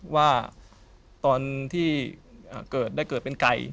ว่าตอนที่เกิดได้เกิดเป็นไก่